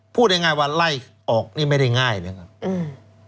พูดง่ายว่าไล่ออกนี่ไม่ได้ง่ายนะครับอืม